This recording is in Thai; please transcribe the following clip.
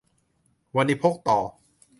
วณิพกต่อ